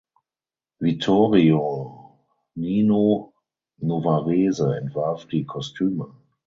Vittorio Nino Novarese entwarf die Kostüme.